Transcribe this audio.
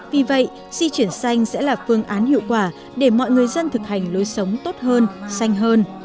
vì vậy di chuyển xanh sẽ là phương án hiệu quả để mọi người dân thực hành lối sống tốt hơn xanh hơn